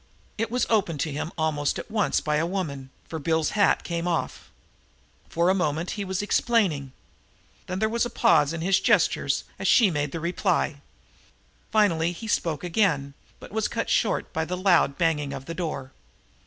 It was opened to him almost at once by a woman, for Bill's hat come off. For a moment he was explaining. Then there was a pause in his gestures, as she made the reply. Finally he spoke again, but was cut short by the loud banging of the door.